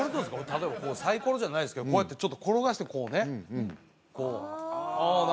例えばサイコロじゃないですけどこうやってちょっと転がしてこうねああ